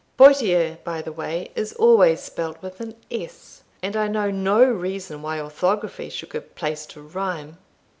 "Poitiers, by the way, is always spelt with an s, and I know no reason why orthography should give place to rhyme.